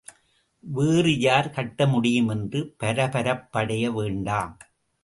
வேறு யார் கட்டமுடியும் என்று பரபரப்படைய வேண்டாம்.